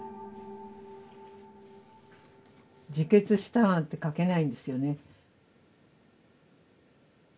自決したなんて書けないんですよね。